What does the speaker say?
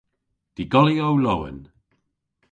Dy'golyow lowen.